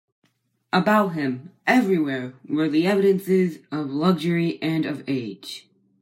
About him, everywhere, were the evidences of luxury and of age.